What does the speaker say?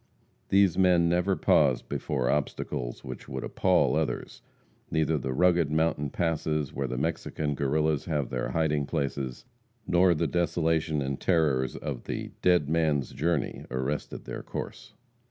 These men never pause before obstacles which would appall others. Neither the rugged mountain passes where the Mexican Guerrillas have their hiding places, nor the desolation and terrors of "the Dead Man's Journey" arrested their course.